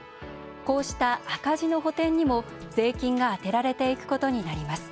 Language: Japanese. こうした赤字の補填にも税金が充てられていくことになります。